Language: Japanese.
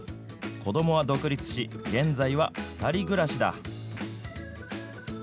子どもは独立し、現在は２人暮らしだ。